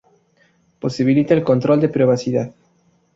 Posibilita el control de privacidad.